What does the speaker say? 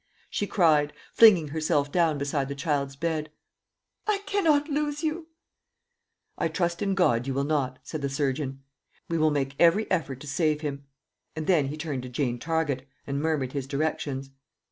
she cried, flinging herself down beside the child's bed; "I cannot lose you!" "I trust in God you will not," said the surgeon. "We will make every effort to save him." And then he turned to Jane Target, and murmured his directions.